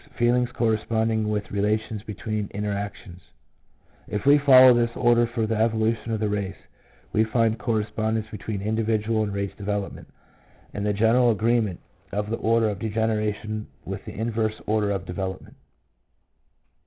Feelings corresponding with relations between interactions. If we follow this order for the evolution of the race, we find correspondence between individual and race development, and the general agreement of the order of degeneration with the inverse order of development.